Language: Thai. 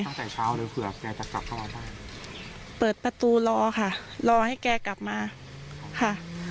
ตั้งแต่เช้าเลยเผื่อแกจะกลับเข้ามาบ้านเปิดประตูรอค่ะรอให้แกกลับมาค่ะ